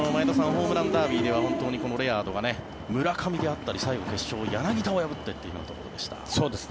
ホームランダービーではこのレアードが村上であったり最後、決勝で柳田を破ってというところでした。